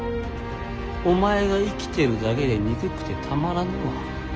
お前が生きてるだけで憎くてたまらぬわ。